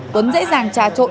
tuấn dễ dàng trà trộn